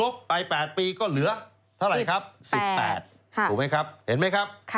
ได้อีก๘ปีใช่ไหมครับ